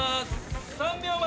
３秒前。